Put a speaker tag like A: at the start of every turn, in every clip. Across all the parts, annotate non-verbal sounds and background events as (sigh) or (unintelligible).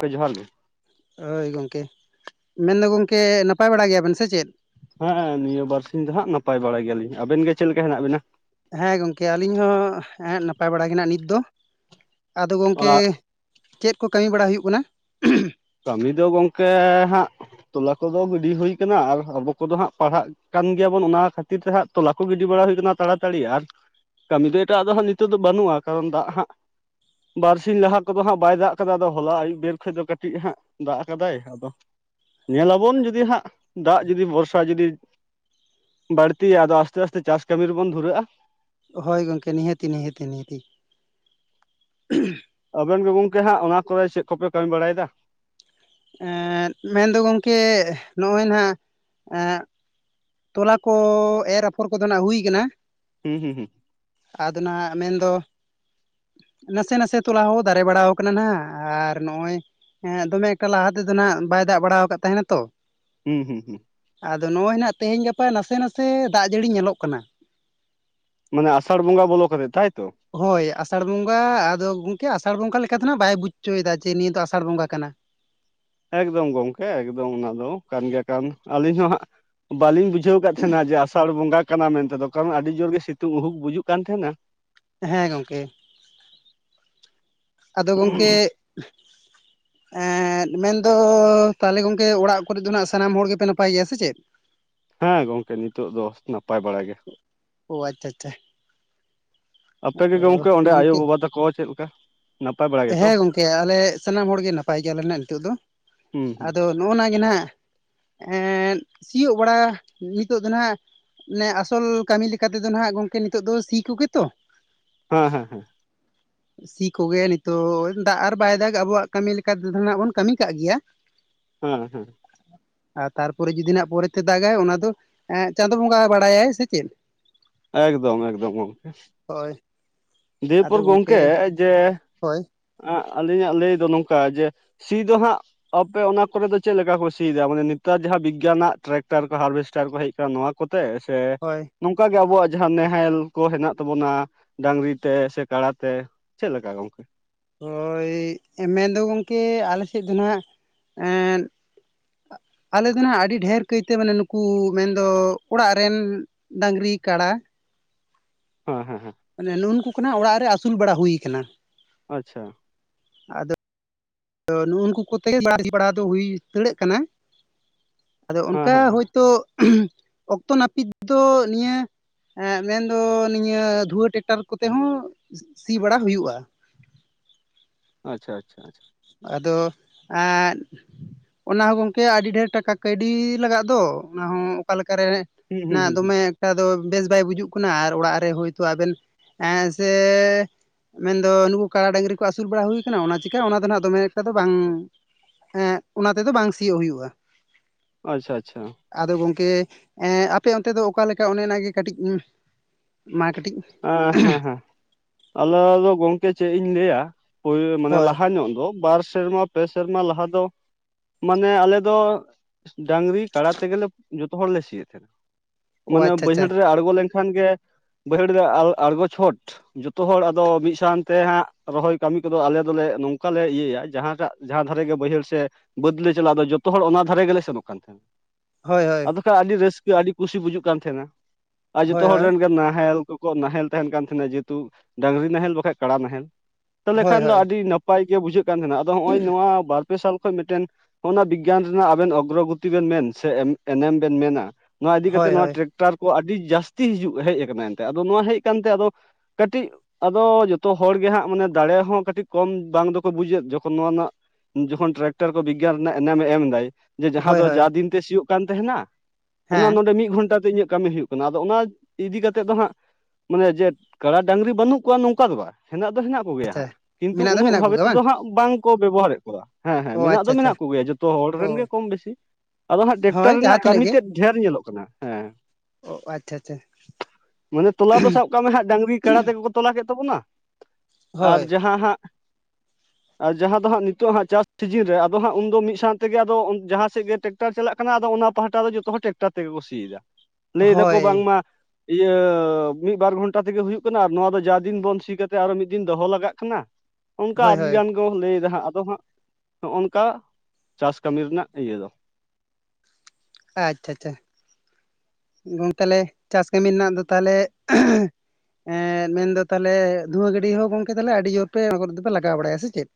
A: ᱦᱳᱭ ᱡᱚᱦᱟᱨ ᱜᱮ
B: ᱦᱳᱭ ᱜᱚᱢᱠᱮ ᱢᱮᱱᱫᱚ ᱜᱚᱝᱠᱮ ᱱᱟᱯᱟᱭ ᱵᱟᱲᱟ ᱜᱮᱭᱟᱵᱮᱱ ᱥᱮ ᱪᱮᱫ
A: ᱦᱮᱸᱦᱮᱸᱱᱤᱭᱟᱹ ᱵᱟᱨᱥᱤᱧ ᱫᱚ ᱦᱟᱸᱜ ᱱᱟᱯᱟᱭ ᱵᱟᱲᱟᱭ ᱜᱮᱭᱟᱞᱤᱧ ᱟᱵᱮᱱ ᱜᱮ ᱪᱮᱫ ᱞᱮᱠᱟ ᱦᱮᱱᱟᱜ ᱵᱤᱱᱟ?
B: ᱦᱮᱸ ᱜᱚᱢᱠᱮ ᱟᱹᱞᱤᱧ ᱦᱚᱸᱮ ᱱᱟᱯᱟᱭ ᱵᱟᱲᱟ ᱜᱮ ᱱᱤᱛ ᱫᱚ ᱟᱫᱚ ᱜᱚᱝᱠᱮ
A: ᱟᱨ
B: ᱪᱮᱫ ᱠᱚ ᱠᱟᱹᱢᱤ ᱵᱟᱲᱟ ᱦᱩᱭᱩᱜ ᱠᱟᱱᱟ?
A: ᱠᱟᱹᱢᱤ ᱫᱚ ᱜᱚᱝᱠᱮ ᱦᱟᱸᱜ ᱛᱚᱞᱟ ᱠᱚᱫᱚ ᱜᱤᱰᱤ ᱦᱩᱭ ᱠᱟᱱᱟ ᱟᱨ ᱟᱵᱚ ᱠᱚᱫᱚ ᱦᱟᱸᱜ ᱯᱟᱲᱦᱟᱜ ᱠᱟᱱ ᱜᱮᱭᱟ ᱵᱚᱱ ᱚᱱᱟ ᱠᱷᱟᱹᱛᱤᱨ ᱛᱮ ᱦᱟᱸᱜ ᱛᱚᱞᱟ ᱠᱚ ᱜᱤᱰᱤ ᱵᱟᱲᱟ ᱦᱩᱭ ᱠᱟᱱᱟ ᱛᱟᱲᱟᱛᱟᱲᱤ ᱟᱨ ᱠᱟᱹᱢᱤ ᱫᱚ ᱮᱴᱟᱜ ᱟᱫᱚ ᱦᱟᱸᱜ ᱱᱤᱛᱳᱜ ᱫᱚ ᱵᱟᱹᱱᱩᱜᱼᱟ ᱠᱟᱨᱚᱱ ᱫᱟᱜ ᱦᱟᱸᱜ ᱵᱟᱨᱥᱤᱧ ᱞᱟᱦᱟ ᱠᱚᱫᱚ ᱦᱟᱸᱜ ᱵᱟᱭ ᱫᱟᱜ ᱠᱟᱫᱟ ᱟᱫᱚ ᱦᱚᱞᱟ ᱟᱹᱭᱩᱵ ᱵᱮᱨ ᱠᱷᱚᱡ ᱫᱚ ᱠᱟᱹᱴᱤᱡ ᱠᱟᱴᱪᱤᱡ ᱦᱟᱸᱜ ᱫᱟᱜ ᱟᱠᱟᱫᱟᱭ ᱟᱫᱚ ᱧᱮᱞᱟᱵᱚᱱ ᱡᱩᱫᱤ ᱦᱟᱸᱜ ᱫᱟᱜ ᱡᱩᱫᱤ ᱵᱷᱚᱨᱥᱟ ᱡᱩᱫᱤ ᱵᱟᱹᱲᱛᱤᱜᱼᱟ ᱟᱫᱚ ᱟᱥᱛᱮ ᱟᱥᱛᱮ ᱪᱟᱥ ᱠᱟᱹᱢᱤ ᱨᱮᱵᱚᱱ ᱫᱷᱩᱨᱟᱹᱜᱼᱟ᱾
B: ᱦᱳᱭ ᱜᱚᱝᱠᱮ ᱱᱤᱦᱟᱹᱛᱤ, ᱱᱤᱦᱟᱹᱛᱤ, ᱱᱤᱦᱟᱹᱛᱤ
A: ᱟᱵᱮᱱ ᱜᱮ ᱜᱚᱝᱚᱢᱠᱮ ᱦᱟᱸᱜ ᱚᱱᱟ ᱠᱚᱨᱮ ᱪᱮᱫ ᱠᱚᱯᱮ ᱠᱟᱹᱢᱤ ᱵᱟᱲᱟᱭᱮᱫᱟ᱾
B: ᱮᱸᱫ ᱢᱮᱱᱫᱚ ᱜᱚᱝᱠᱮ ᱱᱚᱜᱼᱚᱭ ᱱᱟᱦᱱᱟᱜ ᱟᱜ ᱛᱚᱞᱟ ᱠᱚ ᱮᱨ ᱟᱯᱷᱚᱨ ᱠᱚᱫᱚ ᱱᱟᱜ ᱦᱩᱭ ᱠᱟᱱᱟ᱾
A: ᱦᱩᱸ ᱦᱩ ᱦᱩᱸ
B: ᱟᱫᱚ ᱱᱟᱦᱟᱜ ᱢᱮᱱᱫᱚ ᱱᱟᱥᱮ ᱱᱟᱥᱮ ᱛᱚᱞᱟ ᱦᱚᱸ ᱫᱟᱨᱮ ᱵᱟᱲ ᱠᱟᱱᱟ ᱱᱟᱜ ᱟᱨ ᱱᱚᱜᱼᱚᱭ ᱦᱮᱸ ᱫᱚᱢᱮ ᱮᱠᱟᱞ ᱞᱟᱦᱟ ᱛᱮᱫᱚ ᱱᱟᱜ ᱵᱟᱭ ᱫᱟᱜ ᱵᱟᱲᱟ ᱟᱠᱟᱫ ᱛᱟᱦᱮᱱᱟ ᱛᱚ
A: ᱦᱩᱸ ᱦᱩᱸ ᱦᱩᱸ
B: ᱟᱫᱚ ᱱᱚᱜᱼᱚᱭ ᱱᱟᱜ ᱛᱮᱦᱮᱧ ᱜᱟᱯᱟ ᱱᱟᱥᱮ ᱱᱟᱥᱮ ᱫᱟᱜ ᱡᱟᱹᱲᱤ ᱧᱮᱞᱚᱜ ᱠᱟᱱᱟ᱾
A: ᱢᱟᱱᱮ ᱟᱥᱟᱲ ᱵᱚᱸᱜᱟ ᱵᱚᱞᱚ ᱠᱟᱛᱮᱫ ᱛᱟᱭᱛᱚ?
B: ᱦᱳᱭ ᱟᱥᱟᱲ ᱵᱚᱸᱜᱟ ᱟᱫᱚ ᱜᱚᱝᱠᱮ ᱟᱥᱟᱲ ᱵᱚᱸᱜᱟ ᱞᱮᱠᱟ ᱫᱚ ᱱᱟᱱᱟᱜ ᱵᱟᱭ ᱵᱩᱪᱷ ᱪᱚᱭ ᱫᱟ ᱪᱮ ᱱᱤᱭᱟᱹ ᱫᱚ ᱟᱥᱟᱲ ᱵᱚᱸᱜᱟ ᱠᱟᱱᱟ᱾
A: ᱮᱠᱫᱚᱢ ᱜᱚᱝᱠᱮ ᱮᱠᱫᱚᱢ ᱚᱱᱟ ᱫᱚ ᱠᱟᱱ ᱜᱮᱭᱟ ᱠᱟᱱ ᱟᱹᱞᱤᱧ ᱦᱚᱸ ᱦᱟᱜ ᱵᱟᱹᱞᱤᱧ ᱵᱩᱡᱷᱟᱹᱣ ᱠᱟᱜ ᱛᱟᱦᱮᱸᱱᱟ ᱡᱮ ᱟᱥᱟᱲ ᱵᱚᱸᱜᱟ ᱠᱟᱱᱟ ᱢᱮᱱᱛ ᱫᱚ ᱠᱟᱨᱚᱱ ᱟᱹᱰᱤ ᱡᱳᱨ ᱜᱮ ᱥᱤᱛᱩᱝ ᱩᱦᱩᱠ ᱵᱩᱡᱩᱜ ᱠᱟᱱ ᱛᱟᱦᱮᱸᱱᱟ
B: ᱦᱮᱸ ᱜᱚᱢᱠᱮ ᱟᱫᱚ ᱜᱚᱢᱠᱮ ᱮᱸᱫ ᱢᱮᱱᱫᱚ ᱛᱟᱦᱚᱞᱮ ᱜᱚᱝᱠᱮ ᱚᱲᱟᱜ ᱠᱚᱨᱮ ᱫᱚ ᱱᱟᱜ ᱥᱟᱱᱟᱢ ᱦᱚᱲ ᱜᱮᱯᱮ ᱱᱟᱯᱟᱭ ᱜᱮᱭᱟ ᱥᱮ ᱪᱮᱫ? (unintelligible)
A: ᱦᱮᱸ ᱜᱚᱝᱠᱮ ᱱᱤᱛᱳᱜ ᱫᱚ ᱱᱟᱯᱟᱭ ᱵᱟᱲᱟ ᱜᱮ᱾
B: ᱚ ᱟᱪᱪᱷᱟ ᱟᱪᱪᱷᱟ
A: ᱟᱯᱮᱜ ᱜᱮ
B: ᱚ
A: ᱜᱚᱢᱠᱮ ᱚᱸᱰᱮ
B: ᱜᱚᱝᱠᱮ
A: ᱟᱭᱳᱼᱵᱟᱵᱟ ᱛᱟᱠᱚ ᱪᱮᱫ ᱞᱮᱠᱟ? ᱱᱟᱯᱟᱭ ᱵᱟᱲᱟ ᱜᱮᱛᱚ
B: ᱦᱮᱸ ᱜᱚᱝᱠᱮ ᱟᱞᱮ ᱥᱟᱱᱟᱢ ᱦᱚᱲ ᱜᱮ ᱱᱟᱯᱟᱭ ᱜᱮᱭᱟ ᱟᱞᱮᱱᱟᱜ ᱱᱤᱛᱳᱜ ᱫᱚ
A: ᱦᱩᱸ ᱦᱩᱸ
B: ᱟᱫᱚ ᱱᱚᱜᱼᱚ ᱱᱟ ᱜᱮ ᱱᱟᱦᱜ ᱮᱸᱫ ᱥᱤᱭᱳᱜ ᱵᱟᱲᱟ ᱱᱤᱛᱚᱜ ᱫᱚ ᱱᱟᱜ ᱚᱱᱮ ᱟᱥᱚᱞ ᱠᱟᱹᱢᱤ ᱞᱮᱠᱟᱛᱮᱫᱚ ᱱᱟᱦᱟᱜ ᱜᱚᱝᱠᱮ ᱱᱤᱛᱚᱜ ᱫᱚ ᱥᱤ ᱠᱚᱜᱮᱛᱚ᱾
A: ᱦᱮᱸ ᱦᱮᱸ ᱦᱮᱸ
B: ᱤᱥᱤ ᱠᱚᱜᱮ ᱱᱤᱛ ᱛᱚ ᱫᱟᱜ ᱟᱨ ᱵᱟᱭ ᱫᱟᱜ ᱟᱵᱚᱣᱟᱜ ᱠᱟᱹᱢᱤ ᱞᱮᱠᱟ ᱛᱮᱫᱚᱱᱟᱜ ᱵᱚᱱ ᱠᱟᱹᱢᱤ ᱠᱟᱜ ᱜᱮᱭᱟ᱾
A: ᱦᱮᱸ ᱦᱮᱸ
B: ᱟᱨ ᱛᱟᱨᱯᱚᱨᱮ ᱡᱩᱫᱤ ᱱᱟᱜ ᱯᱚᱨᱮᱛᱮ ᱫᱟᱜᱟᱭ ᱚᱱᱟ ᱫᱚ ᱦᱮᱸ ᱪᱟᱸᱫᱳ-ᱵᱚᱸᱜᱟ ᱵᱟᱲᱟᱭᱟᱭ ᱥᱮ ᱪᱮᱫ?
A: ᱮᱠᱫᱚᱢ ᱮᱠᱫᱚᱢ ᱜᱚᱢᱠᱮ
B: ᱦᱳᱭ
A: ᱫᱤᱭᱮᱯᱚᱨ ᱜᱚᱝᱠᱮ ᱡᱮ
B: ᱦᱳᱭ
A: ᱟᱹᱞᱤᱧᱟᱜ ᱞᱟᱹᱭ ᱫᱚ ᱱᱚᱝᱠᱟ ᱡᱮ ᱥᱤ ᱫᱚ ᱦᱟᱸᱜ ᱟᱯᱮ ᱚᱱᱟ ᱠᱚᱨᱮ ᱫᱚ ᱪᱮᱫ ᱞᱮᱠᱟ ᱠᱚ ᱥᱤᱭᱮᱫᱟ ᱢᱟᱱᱮ ᱱᱮᱛᱟᱨ ᱡᱟᱦᱟᱸ ᱵᱤᱜᱽᱜᱮᱭᱟᱱᱟᱜ ᱴᱨᱟᱠᱴᱟᱨ ᱠᱚ ᱦᱟᱨᱵᱮᱥᱴᱟᱨ ᱠᱚ ᱦᱮᱡ ᱟᱠᱟᱱᱟ ᱱᱚᱣᱟ ᱠᱚᱛᱮ ᱥᱮ
B: ᱦᱳᱭ
A: ᱱᱚᱝᱠᱟ ᱜᱮ ᱟᱵᱚᱣᱟᱜ ᱡᱟᱦᱟᱸ ᱱᱟᱦᱮᱞ ᱠᱚ ᱦᱮᱱᱟᱜ ᱛᱟᱵᱚᱱᱟ ᱰᱟᱝᱜᱨᱤ ᱛᱮ ᱥᱮ ᱠᱟᱲᱟ ᱛᱮ ᱪᱮᱫ ᱞᱮᱠᱟ ᱜᱚᱝᱠᱮ
B: ᱦᱳᱭ ᱢᱮᱱᱫᱚ ᱜᱚᱢᱠᱮ ᱟᱞᱮᱥᱮᱫ ᱫᱚ ᱦᱟᱜ ᱮᱸ ᱟᱞᱮ ᱫᱚᱱᱟᱜ ᱟᱹᱰᱤ ᱰᱷᱮᱨ ᱠᱟᱦᱤᱛᱮ ᱢᱟᱱᱮ ᱱᱩᱠᱩ ᱢᱮᱱᱫᱚ ᱚᱲᱟᱜ ᱨᱮᱱ ᱰᱟᱝᱜᱨᱤ ᱠᱟᱰᱟ
A: ᱦᱮᱸ ᱦᱮᱸ ᱦᱮᱸ
B: ᱢᱟᱱᱮ ᱱᱩᱜᱼᱱᱩᱠᱩ ᱠᱚᱱᱟᱜ ᱚᱲᱟᱜ ᱨᱮ ᱟᱹᱥᱩᱞ ᱵᱟᱲᱟ ᱦᱩᱭ ᱟᱠᱟᱱᱟ
A: ᱟᱪᱪᱷᱟ
B: ᱟᱫᱚ ᱛᱚ ᱱᱩᱜᱼᱩ ᱱᱩᱠᱩ ᱠᱚᱛᱮᱤ ᱯᱟᱲᱦᱟᱣ ᱫᱚ ᱦᱩᱭ ᱫᱟᱹᱲᱮᱹᱜ ᱠᱟᱱᱟ ᱟᱫᱚ
A: ᱦᱮᱸ
B: ᱚᱱᱠᱟ
A: ᱦᱮᱸ ᱦᱮᱸ
B: ᱦᱳᱭᱛᱳ ᱚᱠᱛᱚ ᱱᱟᱹᱯᱤᱛ ᱫᱚ ᱱᱤᱭᱟᱹ ᱦᱮᱸᱜ ᱢᱮᱱᱫᱚ ᱱᱤᱭᱟᱹ ᱫᱷᱩᱣᱟᱹ ᱴᱮᱠᱴᱟᱨ ᱠᱚᱛᱮ ᱦᱚᱸ ᱥᱤ ᱵᱟᱲᱟ ᱦᱩᱭᱩᱜᱼᱟ
A: ᱟᱪᱪᱷᱟ ᱪᱷᱟ ᱪᱷᱟ
B: ᱟᱫᱚ ᱮᱸ ᱚᱱᱟ ᱦᱚᱸ ᱜᱚᱝᱠᱮ ᱟᱹᱰᱤ ᱰᱷᱮᱨ ᱴᱟᱠᱟ ᱠᱟᱹᱭᱰᱤ ᱞᱟᱜᱟᱜ ᱫᱚ ᱚᱱᱟ ᱦᱚᱸ ᱚᱠᱟᱞᱮᱠᱟᱨᱮ
A: ᱦᱩᱸ
B: ᱚᱱᱟ
A: ᱦᱩᱸ ᱦᱩᱸ ᱦᱩᱸ
B: ᱫᱚᱢᱮ (unintelligible) ᱫᱚ ᱵᱮᱥ ᱵᱟᱭ ᱵᱩᱡᱩᱜ ᱠᱟᱱᱟ ᱟᱨ ᱚᱲᱟᱜ ᱨᱮ ᱦᱳᱭᱛᱳ ᱟᱵᱮᱱ ᱮ ᱥᱮ ᱢᱮᱱᱫᱚ ᱱᱩᱠᱩ ᱠᱟᱲᱟ ᱰᱟᱝᱜᱨᱤ ᱠᱚ ᱟᱹᱥᱩᱞ ᱵᱟᱲᱟ ᱦᱩᱭᱠᱟᱱᱟ ᱚᱱᱟ ᱪᱮᱠᱟ ᱚᱱᱟ ᱫᱚ ᱱᱟᱜ ᱫᱚ ᱢᱮᱱ ᱠᱷᱟᱱ ᱫᱚ ᱵᱟᱝ ᱮ ᱚᱱᱟ ᱛᱮᱫᱚ ᱵᱟᱝ ᱥᱤᱭᱳᱜ ᱦᱩᱭᱩᱜᱼᱟ
A: ᱟᱪᱪᱷᱟ ᱟᱪᱪᱷᱟ
B: ᱟᱫᱚ ᱜᱚᱢᱠᱮ ᱟᱯᱮ ᱚᱱᱛᱮ ᱫᱚ ᱚᱠᱟ ᱞᱮᱠᱟ ᱚᱱᱮᱱᱟᱜ ᱜᱮ ᱠᱟᱹᱴᱤᱡ ᱢᱟ ᱠᱟᱹᱴᱤᱡ
A: ᱦᱮᱸ ᱦᱮᱸ ᱦᱮᱸ ᱟᱞᱮ ᱫᱚ ᱜᱚᱢᱠᱮ ᱪᱮᱫ ᱤᱧ ᱞᱟᱹᱭᱟ ᱯᱳ ᱢᱟᱱᱮ
B: ᱦᱳᱭ
A: ᱞᱟᱦᱟ ᱧᱚᱜ ᱫᱚ ᱵᱟᱨ ᱥᱮᱨᱢᱟ ᱯᱮ ᱥᱮᱨᱢᱟ ᱞᱟᱦᱟ ᱫᱚ ᱢᱟᱱᱮ ᱟᱞᱮ ᱫᱚ ᱰᱟᱝᱜᱨᱤ ᱠᱟᱰᱟ ᱛᱮᱜᱮᱞᱮ ᱡᱚᱛᱚ ᱦᱚᱲᱞᱮ ᱥᱤᱭᱮᱫ ᱛᱟᱦᱮᱸᱱᱟ
B: ᱚ
A: ᱢᱟᱱᱮ
B: ᱟᱪᱪᱷᱟ ᱟᱪᱪᱷᱟ
A: ᱵᱟᱹᱭᱦᱟᱹᱲ ᱨᱮ ᱟᱬᱜᱚ ᱞᱮᱱᱠᱷᱟᱱ ᱜᱮ ᱵᱟᱹᱭᱦᱟᱹᱲ ᱨᱮ ᱟᱬᱜᱚ ᱪᱷᱚᱴ ᱡᱚᱛᱚ ᱦᱚᱲ ᱟᱫᱚ ᱢᱤᱫ ᱥᱟᱶᱛᱮ ᱦᱟᱸᱜ ᱨᱚᱦᱚᱭ ᱠᱟᱹᱢᱤ ᱠᱚᱫᱚ ᱟᱞᱮ ᱫᱚᱞᱮ ᱱᱚᱝᱠᱟ ᱞᱮ ᱤᱭᱟᱹᱭᱟ ᱡᱟᱦᱟᱸᱴᱟᱜ ᱡᱟᱦᱟᱸ ᱫᱷᱟᱨᱮ ᱜᱮ ᱵᱟᱹᱭᱦᱟᱹᱲ ᱥᱮ ᱵᱟᱹᱫᱽ ᱞᱮ ᱪᱟᱞᱟᱜᱼᱟ ᱫᱚ ᱡᱚᱛᱚ ᱦᱚᱲ ᱚᱱᱟ ᱫᱷᱟᱨᱮ ᱜᱮᱞᱮ ᱥᱮᱱᱚᱜ ᱠᱟᱱ ᱛᱟᱦᱮᱸᱱᱟ
B: ᱦᱳᱭ ᱦᱳᱭ
A: ᱟᱫᱚ ᱟᱹᱰᱤ ᱨᱟᱹᱥᱠᱟᱹ ᱟᱹᱰᱤ ᱠᱩᱥᱤ ᱵᱩᱡᱩᱜ ᱠᱟᱱ ᱛᱟᱦᱮᱱᱟ ᱟᱨ
B: ᱦᱳᱭ
A: ᱡᱚᱛᱚ ᱦᱚᱲ
B: ᱦᱳᱭ
A: ᱨᱮᱱ ᱜᱮ ᱱᱟᱦᱮᱞ ᱱᱟᱦᱮᱞ ᱛᱟᱦᱮᱱ ᱠᱟᱱ ᱛᱟᱦᱮᱱᱟ ᱡᱮᱦᱮᱛᱩ ᱰᱟᱝᱜᱨᱤ ᱱᱟᱦᱮᱞ ᱵᱟᱠᱷᱟᱡ ᱠᱟᱲᱟ ᱱᱟᱦᱮᱞ ᱛᱟᱦᱚᱞᱮ
B: ᱦᱳᱭ
A: ᱠᱷᱟᱱ ᱫᱚ
B: ᱦᱳᱭ
A: ᱟᱹᱰᱤ ᱱᱟᱯᱟᱭ ᱯᱟᱭ ᱜᱮ ᱵᱩᱡᱷᱟᱹᱜ ᱠᱟᱱ ᱛᱟᱦᱮᱱᱟ ᱟᱫᱚ ᱱᱚᱜᱼᱚᱭ ᱱᱚᱣᱟ ᱯᱮ ᱥᱟᱞ ᱠᱷᱚᱱ ᱢᱤᱫᱴᱮᱱ ᱵᱤᱜᱽᱜᱟᱱ ᱨᱮᱱᱟᱜ ᱟᱵᱮᱱ ᱚᱜᱨᱚᱜᱚᱛᱤ ᱵᱮᱱ ᱢᱮᱱ ᱥᱮ ᱮᱱᱮᱢ ᱵᱤᱱ ᱢᱮᱱᱟ ᱱᱚᱣᱟ ᱤᱫᱤ
B: ᱦᱳᱭ
A: ᱠᱟᱛᱮᱜ ᱱᱚᱣᱟ
B: ᱦᱳᱭ
A: ᱴᱮᱨᱮᱠᱴᱟᱨ ᱠᱚ ᱟᱹᱰᱤ ᱡᱟᱹᱥᱛᱤ ᱦᱤᱡᱩᱜ ᱦᱮᱡ ᱠᱟᱱᱟ ᱮᱱᱛᱮ ᱟᱫᱚ ᱱᱚᱣᱟ ᱦᱮᱡ ᱠᱟᱱᱛᱮ ᱟᱫᱚ ᱠᱟᱹᱴᱤᱡ ᱟᱫᱚ ᱡᱚᱛᱚ ᱦᱚᱲ ᱜᱮᱦᱟᱸᱜ ᱢᱟᱱᱮ ᱫᱟᱲᱮ ᱦᱚᱸ ᱠᱟᱹᱴᱤᱡ ᱠᱚᱢ ᱵᱟᱝ ᱫᱚᱠᱚ ᱵᱩᱡᱮᱫ ᱡᱚᱠᱷᱚᱱ ᱱᱚᱣᱟ ᱱᱟᱜ ᱡᱚᱠᱷᱚᱱ ᱴᱮᱨᱮᱠᱴᱟᱨ ᱠᱚ ᱵᱜᱽᱜᱟᱱ ᱮᱱᱮᱢ ᱮᱢᱫᱟᱭ ᱡᱮ ᱡᱟᱦᱟᱸ
B: ᱦᱳᱭ
A: ᱫᱚ
B: ᱦᱳᱭ
A: ᱡᱟ ᱫᱤᱱ ᱛᱮ ᱥᱤᱭᱳᱜ ᱠᱟᱱ ᱛᱟᱦᱮᱱᱟ ᱚᱱᱟ
B: ᱦᱮᱸ
A: ᱱᱚᱰᱮ ᱢᱤᱫ ᱜᱷᱚᱱᱴᱟ ᱛᱮ ᱤᱧᱟᱹᱜ ᱠᱟᱹᱢᱤ ᱦᱩᱭᱩᱜ ᱠᱟᱱᱟ ᱠᱟᱱᱟ ᱟᱫᱚ ᱚᱱᱟ ᱤᱫᱤ ᱠᱟᱛᱮ ᱫᱚ ᱦᱟᱸᱜ ᱢᱟᱱᱮ ᱡᱮ ᱠᱟᱲᱟ ᱰᱝᱜᱨᱤ ᱵᱟᱹᱱᱩᱜ ᱠᱚᱣᱟ ᱱᱚᱝᱠᱟ ᱫᱚ ᱵᱟᱝ ᱦᱮᱱᱟᱜ ᱫᱚ ᱦᱮᱱᱟᱜ ᱠᱚᱣᱟ ᱠᱚᱜᱮᱭᱟ
B: ᱟᱪᱪᱷᱟ
A: ᱦᱟᱸᱜ ᱠᱤᱱᱛᱩ
B: ᱢᱮᱱᱟᱜ ᱫᱚ
A: ᱩᱱᱟᱹᱜ
B: ᱢᱮᱱᱟᱜ
A: ᱵᱷᱟᱵᱮ
B: ᱠᱚᱜᱮᱭᱟ
A: ᱛᱮᱫᱚ ᱦᱟᱸᱜ ᱵᱟᱝ ᱠᱚ ᱵᱮᱵᱚᱦᱟᱨᱮᱫ ᱠᱚᱣᱟ ᱦᱮᱸ ᱦᱮᱸ
B: ᱚ
A: ᱢᱮᱱᱟᱜ ᱫᱚ
B: ᱟᱪᱪᱷᱟ ᱟᱪᱪᱷᱟ
A: ᱢᱮᱱᱟᱜ ᱠᱚᱜᱮᱭᱟ ᱡᱚᱛᱚ ᱦᱚᱲ ᱨᱮᱱ ᱜᱮ
B: ᱚ
A: ᱠᱚᱢ ᱵᱮᱥᱤ ᱟᱫᱚ ᱦᱟᱸᱜ
B: ᱦᱳᱭ
A: ᱴᱮᱠᱴᱟᱨ ᱨᱮᱱᱟᱜ
B: ᱡᱟᱦᱟᱸ ᱛᱤᱱᱟᱹᱜ
A: ᱠᱟᱹᱢᱤ
B: ᱜᱮ
A: ᱛᱮᱫ ᱰᱷᱮᱨ ᱧᱮᱞᱚᱜ ᱠᱟᱱᱟ ᱦᱮᱸ
B: ᱚ ᱟᱪᱪᱷᱟ ᱪᱷᱟ
A: ᱢᱟᱱᱮ ᱛᱚᱞᱟ ᱫᱚ ᱥᱟᱵ ᱠᱟᱜ ᱢᱮ ᱦᱟᱸᱜ ᱰᱟᱝᱜᱨᱤ ᱠᱟᱰᱟ ᱛᱮᱜᱮ ᱠᱚ ᱛᱚᱞᱟ ᱠᱮᱫ ᱛᱟᱵᱚᱱᱟ ᱟᱨ
B: ᱦᱳᱭ
A: ᱡᱟᱦᱟᱸ ᱦᱟᱸᱜ
B: (inaudible)
A: ᱟᱨ ᱡᱟᱦᱟᱸ ᱫᱚ ᱦᱟᱸᱜ ᱱᱤᱛᱚᱜ ᱦᱟᱸᱜ ᱪᱟᱥ ᱥᱤᱡᱤᱱ ᱨᱮ ᱟᱫᱚ ᱦᱟᱸᱜ ᱩᱱᱫᱚ ᱢᱤᱫ ᱥᱟᱶ ᱛᱮ ᱜᱮ ᱟᱫᱚ ᱡᱟᱦᱟᱸ ᱥᱮᱫ ᱜᱮ ᱴᱮᱠᱴᱟᱨ ᱪᱟᱞᱟᱜ ᱠᱟᱱᱟ ᱟᱫᱚ ᱚᱱᱟ ᱯᱟᱦᱴᱟ ᱫᱚ ᱡᱚᱛᱚ ᱦᱚᱲ ᱴᱮᱠᱴᱟᱨ ᱛᱮᱜᱮ ᱠᱚ ᱥᱤᱭ ᱮᱫᱟ ᱞᱟᱹᱭ ᱮᱫᱟᱠᱚ
B: ᱦᱳᱭ
A: ᱵᱟᱝᱢᱟ ᱤᱭᱟᱹ ᱢᱤᱫ ᱵᱟᱨ ᱜᱷᱚᱱᱴᱟ ᱛᱮᱜᱮ ᱦᱩᱭᱩᱜ ᱠᱟᱱᱟ ᱟᱨ ᱱᱚᱣᱟ ᱫᱚ ᱡᱟ ᱫᱤᱱ ᱵᱚᱱ ᱥᱤ ᱠᱟᱛᱮ‌ ᱟᱨᱦᱚᱸ ᱢᱤᱫ ᱫᱤᱱ ᱫᱚᱦᱚ ᱞᱟᱜᱟᱜ ᱠᱟᱱᱟ ᱚᱱᱠᱟ
B: ᱦᱳᱭ ᱦᱳᱭ
A: ᱟᱹᱰᱤᱜᱟᱱ ᱠᱚ ᱞᱟᱹᱭᱮᱫᱟ ᱦᱟᱸᱜ ᱟᱫᱚ ᱦᱟᱸᱜ ᱱᱚᱜᱼᱚ ᱱᱚᱝᱠᱟ ᱪᱟᱥ ᱠᱟᱹᱢᱤ ᱨᱮᱱᱟᱜ ᱤᱭᱟᱹ ᱫᱚ
B: ᱟᱪᱪᱷᱟ ᱟᱪᱪᱷᱟ ᱜᱚᱝᱠᱮ ᱞᱮ ᱪᱟᱥ ᱠᱟᱹᱢᱤ ᱨᱮᱱᱟᱜ ᱫᱚ ᱛᱟᱦᱚᱞᱮ ᱮᱸᱦᱮᱸ ᱮᱸᱻ ᱢᱮᱱᱫᱚ ᱛᱟᱦᱞᱮ ᱫᱷᱩᱣᱟᱹ ᱜᱟᱹᱰᱤ ᱦᱚᱸ ᱜᱚᱝᱠᱮ ᱛᱟᱦᱞᱮ ᱟᱹᱰᱤ ᱡᱳᱨ ᱯᱮ ᱚᱱᱟ ᱠᱚᱨᱮ ᱫᱚᱯᱮ ᱞᱟᱜᱟᱣ ᱵᱟᱲᱟᱭᱟ ᱥᱮ ᱪᱮᱫ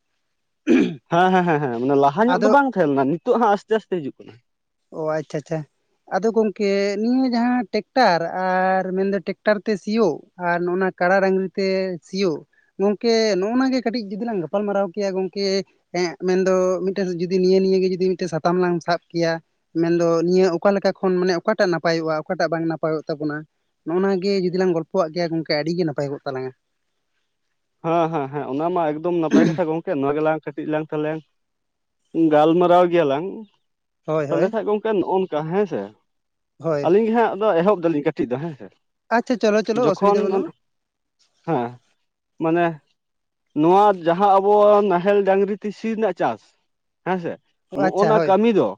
A: ᱦᱮᱸ ᱦᱮᱸ ᱦᱮᱸ ᱦᱮᱸ ᱢᱟᱱᱮ ᱞᱟᱦᱟ ᱧᱚᱜ ᱫᱚ
B: ᱟᱫᱚ
A: ᱵᱟᱝ ᱛᱟᱦᱮᱸ ᱞᱮᱱᱟ ᱱᱤᱛᱚᱜ ᱦᱟᱸᱜ ᱟᱥᱛᱮ ᱟᱥᱛᱮ ᱦᱤᱡᱩᱜ ᱠᱟᱱᱟ
B: ᱚᱻ ᱟᱪᱪᱷᱟ ᱟᱪᱪᱷᱟ ᱟᱫᱚ ᱜᱚᱝᱠᱮ ᱱᱤᱭᱟᱹ ᱡᱟᱦᱟᱸ ᱴᱮᱠᱴᱟᱨ ᱟᱨ ᱢᱮᱱᱫᱚ ᱴᱮᱠᱴᱟᱨ ᱛᱮ ᱥᱤᱭᱳᱜ ᱟᱨ ᱱᱚᱜᱼᱱᱟ ᱠᱟᱲᱟ ᱰᱟᱝᱜᱽᱨᱤ ᱥᱤᱭᱩᱼᱼ ᱛᱮ ᱥᱤᱭᱩᱜ ᱜᱚᱝᱠᱮ ᱱᱚᱜᱼᱱᱟ ᱜᱮ ᱠᱟᱹᱴᱤᱡ ᱡᱩᱫᱤ ᱞᱟᱝ ᱜᱟᱯᱟᱞᱢᱟᱨᱟᱣ ᱠᱮᱭᱟ ᱜᱚᱝᱠᱮ ᱮᱸᱜᱻ ᱢᱮᱱᱫᱚ ᱢᱤᱫᱴᱮᱱ ᱡᱩᱫᱤ ᱱᱤᱭᱟᱹ ᱱᱤᱭᱟᱹᱜᱮ ᱡᱩᱫᱤ ᱢᱤᱫᱴᱮᱱ ᱥᱟᱛᱟᱢ ᱞᱟᱝ ᱥᱟᱵ ᱠᱮᱭᱟ ᱢᱮᱱᱫᱚ ᱱᱤᱭᱟᱹ ᱚᱠᱟᱮᱠᱟ ᱠᱷᱚᱱ ᱢᱟᱱᱮ ᱚᱠᱟᱴᱟᱜ ᱱᱟᱯᱟᱭᱚᱜᱼᱟ ᱚᱠᱟᱴᱟᱜ ᱵᱟᱝ ᱱᱟᱯᱟᱭᱚᱜ ᱛᱟᱵᱚᱱᱟ ᱱᱚᱜᱼ ᱱᱟ ᱜᱮ ᱡᱩᱫᱤ ᱞᱟᱝ ᱜᱚᱞᱯᱷᱚ ᱟᱜ ᱜᱮᱭᱟ ᱜᱚᱢᱠᱮ ᱟᱹᱰᱤᱜᱮ ᱱᱟᱯᱟᱭ ᱠᱚᱜ ᱛᱟᱞᱟᱝᱟ
A: ᱦᱮᱸ ᱦᱮᱸ ᱦᱮᱸ ᱚᱱᱟ ᱢᱟ ᱮᱠᱫᱚᱢ ᱱᱟᱯᱟᱭ ᱠᱟᱛᱷᱟ ᱜᱚᱝᱠᱮ ᱱᱚᱣᱟ ᱜᱮᱞᱟᱝ ᱠᱟᱹᱴᱤᱡ ᱞᱟᱝ ᱛᱟᱞᱟᱝ ᱜᱟᱞᱢᱟᱨᱟᱣ ᱜᱮᱭᱟ ᱞᱟᱝ
B: ᱦᱳᱭ
A: ᱛᱟᱦᱚᱞᱮ
B: ᱦᱳᱭ
A: ᱠᱷᱟᱭᱡ ᱜᱚᱝ ᱠᱮ ᱱᱚᱝᱠᱟ ᱦᱮᱸ ᱥᱮ
B: ᱦᱳᱭ
A: ᱟᱹᱞᱤᱧ ᱜᱮ ᱦᱟᱸᱜ ᱟᱫᱚ ᱮᱦᱚᱵ ᱫᱟᱞᱤᱧ ᱠᱟᱹᱴᱤᱡ ᱫᱚ ᱦᱮᱸ ᱥᱮ᱾
B: ᱟᱪᱪᱷᱟ ᱪᱚᱞᱚ ᱪᱚᱞᱚ
A: ᱡᱚᱠᱷᱚᱱ
B: ᱚᱥᱩᱵᱤᱫᱷᱟ
A: ᱚᱱ
B: ᱵᱟᱹᱱᱩᱜᱼᱟ
A: ᱦᱮᱸ, ᱢᱟᱱᱮ ᱱᱚᱣᱟ ᱡᱟᱦᱟᱸ ᱟᱵᱚ ᱱᱟᱦᱮᱞ ᱰᱟᱝᱨᱤ ᱛᱤᱥᱤ ᱨᱮᱱᱟᱜ ᱪᱟᱥ, ᱦᱮᱸᱥᱮ ᱱᱚᱜ ᱼᱚ
B: ᱟᱪᱪᱷᱟ
A: ᱱᱟ
B: ᱦᱳᱭ
A: ᱠᱟᱹᱢᱤ ᱫᱚ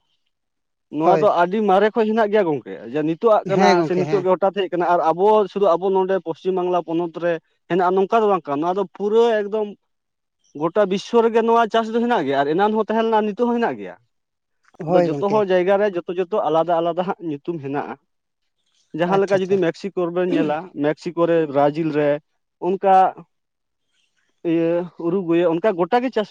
A: ᱱᱚᱣᱟ
B: ᱦᱳᱭ
A: ᱫᱚ ᱟᱹᱰ ᱟᱹᱰᱤ ᱢᱟᱨᱮ ᱠᱷᱚᱩᱡ ᱦᱮᱱᱟᱜ ᱜᱮᱭᱟ ᱜᱚᱝᱠᱮ ᱡᱮ ᱱᱤᱛᱜᱼᱟᱜ
B: ᱦᱮᱸ
A: ᱠᱟᱱᱟ ᱥᱮ
B: ᱜᱚᱝᱠᱮ ᱦᱮᱸ
A: ᱱᱤᱛᱚᱜ ᱜᱮ, ᱦᱚᱴᱟᱛ ᱦᱮᱡ ᱠᱟᱱᱟ ᱟᱨ ᱟᱵᱚ ᱥᱩᱫᱩ ᱟᱵᱚ ᱱᱚᱰᱮ ᱯᱚᱥᱪᱤᱢ ᱵᱟᱝᱞᱟ ᱯᱚᱱᱚᱛ ᱨᱮ ᱦᱮᱱᱟᱜᱼᱟ, ᱱᱚᱝᱠᱟ ᱫᱚ ᱵᱟᱝ ᱠᱟ ᱱᱚᱣᱟ ᱫᱚ ᱯᱩᱨᱟᱹ ᱮᱠᱫᱚᱢ ᱜᱚᱴᱟ ᱵᱤᱥᱥᱚ ᱨᱮᱜᱮ ᱱᱚᱣᱟ ᱪᱟᱥ ᱫᱚ ᱦᱮᱱᱟᱜ ᱜᱮᱭᱟ ᱟᱨ ᱮᱱᱟᱱ ᱦᱚᱸ ᱛᱟᱦᱮᱸ ᱞᱮᱱᱟ ᱱᱤᱛᱚᱜ ᱦᱚᱸ ᱦᱮᱱᱟᱜ ᱜᱮᱭᱟ᱾ ᱟᱫᱚ
B: ᱦᱳᱭ
A: ᱡᱚᱛᱚ ᱦᱚ
B: ᱜᱚᱝᱠᱮ
A: ᱡᱟᱭᱜᱟ ᱨᱮ ᱡᱚᱛᱚ ᱡᱚᱛᱚ ᱟᱞᱟᱫᱟ ᱟᱞᱟᱫᱟ ᱦᱟᱸᱜ ᱧᱩᱛᱩᱢ ᱦᱮᱱᱟᱜᱼᱟ᱾ ᱡᱟᱦᱟᱸᱞᱮᱠᱟ
B: ᱟᱪᱪᱷᱟ ᱟᱪᱪᱷᱟ
A: ᱡᱩᱫᱤ ᱢᱮᱠᱥᱤᱠᱳ ᱨᱮ ᱵᱤᱱ ᱧᱮᱞᱟ, ᱢᱮᱠᱥᱤᱠᱳ ᱨᱮ ᱵᱨᱟᱡᱤᱞ ᱨᱮ ᱚᱱᱠᱟ ᱤᱭᱟᱹ ᱩᱨᱩᱜᱩᱭ ᱚᱱᱠᱟ ᱜᱚᱴᱟ ᱜᱮ ᱪᱟᱥ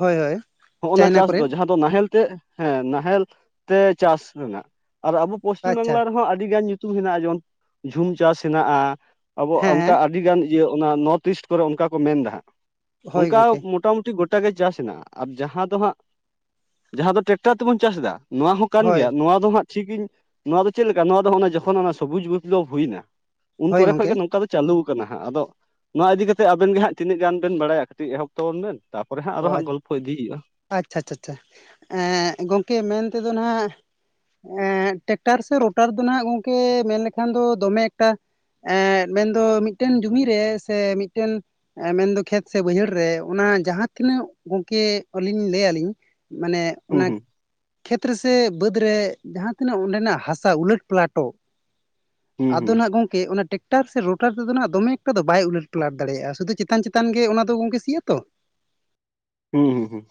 B: ᱦᱳᱭ ᱦᱳᱭ
A: ᱱᱟ
B: ᱪᱟᱭᱱᱟ
A: ᱪᱟᱥ ᱫᱚ
B: ᱠᱚᱨᱮᱱ
A: ᱡᱟᱦᱟᱸ, ᱼᱼ ᱛᱚ ᱱᱟᱦᱮᱞ ᱛᱮ ᱦᱮᱸ ᱱᱟᱦᱮᱞ ᱛᱮ ᱪᱟᱥ ᱨᱮᱱᱟᱜ ᱟᱨ ᱟᱵᱚ ᱯᱚᱥᱪᱤᱢ
B: ᱟᱪᱪᱷᱟ
A: ᱵᱟᱝᱞᱟ ᱨᱮᱦᱚᱸ ᱟᱹᱰᱤᱜᱟᱱ ᱧᱩᱛᱩᱢ ᱦᱮᱱᱟᱜ ᱡᱮᱢᱚᱱ ᱡᱷᱩᱢ ᱪᱟᱥ ᱦᱮᱱᱟᱜᱼᱟ᱾ ᱟᱵᱚ
B: ᱦᱮᱸ
A: ᱚᱱᱠᱟ
B: ᱦᱮᱸ
A: ᱟᱹᱰᱤ ᱜᱟᱱ ᱤᱭᱟᱹ ᱚᱱᱟ ᱱᱚᱨᱛᱷ ᱤᱥᱴ ᱠᱚᱨᱮ ᱚᱱᱠᱟ ᱠᱚ ᱢᱮᱱᱫᱟ ᱦᱟᱸᱜ᱾
B: ᱦᱳᱭ
A: ᱚᱱᱠᱟ
B: ᱜᱚᱝᱠᱮ
A: ᱢᱚᱴᱟᱢᱩᱴᱤ ᱜᱚᱴ ᱴᱟ ᱜᱮ ᱪᱟᱥ ᱦᱮᱱᱟᱜᱼᱟ, ᱟᱨ ᱡᱟᱦᱟᱸ ᱫᱚ ᱦᱟᱸᱜ ᱡᱟᱦᱟᱸ ᱫᱚ ᱴᱮᱠᱴᱟᱨ ᱛᱮᱵᱚᱱ ᱪᱟᱥ ᱫᱟ, ᱱᱚᱣᱟ ᱦᱚᱸ ᱠᱟᱱ
B: ᱦᱳᱭ
A: ᱜᱮᱭᱟ ᱱᱚᱣᱟ ᱫᱚ ᱦᱟᱸᱜ, ᱴᱷᱤᱠ ᱤᱧ ᱱᱚᱣᱟ ᱫᱚ ᱪᱮᱫᱞᱮᱠᱟ ᱱᱚᱣᱟ ᱫᱚ ᱡᱚᱠᱷᱚᱱ ᱚᱱᱟ ᱥᱚᱵᱩᱡ (unintelligible) ᱦᱩᱭᱱᱟ᱾ ᱩᱱ
B: ᱦᱳᱭ
A: ᱠᱚᱨᱮ ᱠᱷᱚᱡ
B: ᱜᱚᱝᱠᱮ
A: ᱜᱮ ᱱᱚᱝᱠᱟ ᱫᱚ ᱪᱟᱹᱞᱩ ᱟᱠᱟᱱᱟ ᱦᱟᱸᱜ ᱟᱫᱚ ᱱᱚᱣᱟ ᱤᱫᱤᱠᱟᱛᱮ ᱟᱵᱮᱱ ᱜᱮ ᱦᱟᱸᱜ ᱛᱤᱱᱟᱹᱜ ᱜᱟᱱ ᱵᱮᱱ ᱵᱟᱲᱟᱭᱟ ᱠᱟᱹᱴᱤᱡ ᱮᱦᱚᱵ ᱛᱟᱵᱚᱱ ᱵᱮᱱ᱾ ᱛᱟᱯᱚᱨᱮ ᱦᱟᱸᱜ
B: ᱚ
A: ᱟᱫᱚ ᱦᱟᱸᱜ ᱜᱚᱞᱯᱚ ᱤᱫᱤ ᱦᱩᱭᱩᱜᱼᱟ᱾
B: ᱟᱪᱪᱷᱟ, ᱪᱷᱟᱪᱟ, ᱮᱸᱜ ᱜᱚᱝᱠᱮ ᱢᱮᱱ ᱛᱮᱫᱚ ᱱᱟᱦᱟᱜ ᱮᱸ ᱴᱮᱠᱴᱟᱨ ᱥᱮ ᱨᱳᱴᱟᱨ ᱫᱚ ᱱᱟᱦᱟᱜ ᱜᱚᱝᱠᱮ ᱢᱮᱱ ᱞᱮᱠᱷᱟᱱ ᱫᱚ ᱫᱚᱢᱮ ᱮᱠᱴᱟ, ᱮᱸᱜ ᱢᱮᱱᱫᱚ ᱢᱤᱫᱴᱮᱱ ᱡᱚᱢᱤ ᱨᱮ ᱥᱮ ᱢᱤᱫᱴᱮᱱ ᱢᱮᱱᱫᱚ ᱠᱷᱮᱛ ᱥᱮ ᱵᱟᱹᱭᱦᱟᱹᱲ ᱨᱮ ᱚᱱᱟ ᱡᱟᱦᱟᱸ ᱛᱤᱱᱟᱹᱜ ᱜᱚᱝᱠᱮ ᱟᱹᱞᱤᱧ ᱞᱟᱹᱭ ᱟᱹᱞᱤᱧ ᱢᱟᱱᱮ
A: ᱦᱩᱸ
B: ᱚᱱᱟ,
A: ᱦᱩᱸ
B: ᱠᱷᱮᱛ ᱨᱮᱥᱮ ᱵᱟᱹᱫᱽ ᱨᱮ ᱡᱟᱦᱟᱸ ᱛᱤᱱᱟᱹᱜ ᱚᱸᱰᱮᱱᱟᱜ ᱦᱟᱥᱟ ᱩᱞᱟᱹᱴ ᱯᱞᱟᱴᱚᱜ,
A: ᱦᱩᱸ ᱦᱩᱸ
B: ᱟᱫᱚ ᱱᱟᱦᱟᱜ ᱜᱚᱝᱠᱮ ᱚᱱᱟ ᱴᱮᱠ ᱴᱟᱨ ᱥᱮ ᱨᱳᱴᱟᱨ ᱛᱮᱫᱚ ᱱᱟᱦᱟᱜ ᱫᱚᱢ ᱮᱠᱴᱟ ᱫᱚ ᱵᱟᱭ ᱩᱞᱟᱹᱨᱴ ᱯᱞᱟᱴ ᱫᱟᱲᱮᱭᱟᱜᱼᱟ ᱾ᱥᱩᱫᱩ ᱪᱮᱛᱟᱱ ᱪᱮᱛᱟᱱ ᱜᱮ ᱚᱱᱟ ᱫᱚ ᱜᱚᱝᱠᱮ ᱥᱤᱜ ᱟᱛᱚ,
A: ᱦᱩᱸ ᱦᱩᱸ ᱦᱩᱸ